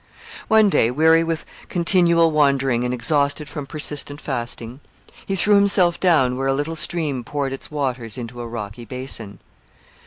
One day, weary with continual wandering and exhausted from persistent fasting, he threw himself down where a little stream poured its waters into a rocky basin.